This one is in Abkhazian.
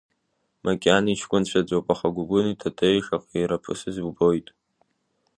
Макьана иҷкәынцәаӡоуп, аха Гәыгәыни Татеии шаҟа ираԥысыз убоит.